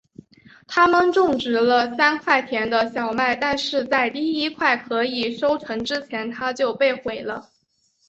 他们种植了三块田的小麦但是在第一块可以收成之前它就被毁了。